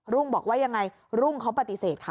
บอกว่ายังไงรุ่งเขาปฏิเสธค่ะ